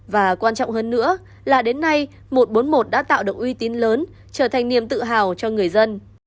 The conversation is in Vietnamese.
và quan trọng hơn nữa là đến nay một trăm bốn mươi một đã tạo được uy tín lớn trở thành niềm tự hào cho người dân